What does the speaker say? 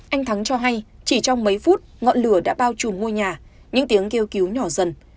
anh thắng cho hay chỉ trong mấy phút ngọn lửa đã bao trùm ngôi nhà những tiếng kêu cứu nhỏ dần